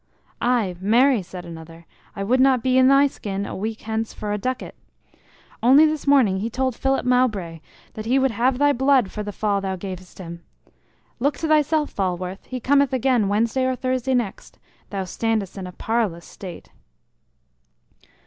"Aye, marry!" said another. "I would not be in thy skin a week hence for a ducat! Only this morning he told Philip Mowbray that he would have thy blood for the fall thou gavest him. Look to thyself, Falworth; he cometh again Wednesday or Thursday next; thou standest in a parlous state."